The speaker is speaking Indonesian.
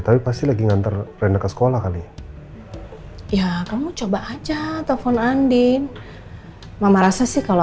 dia pasti lagi nganter rena ke sekolah kali ya ya kamu coba aja telepon andin mama rasa sih kalau